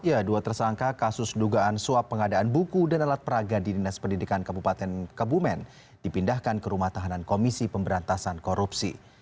ya dua tersangka kasus dugaan suap pengadaan buku dan alat peraga di dinas pendidikan kabupaten kebumen dipindahkan ke rumah tahanan komisi pemberantasan korupsi